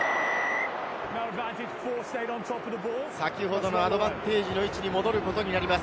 先ほどのアドバンテージの位置に戻ることになります。